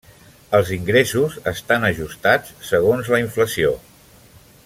Els ingressos estan ajustats segons la inflació.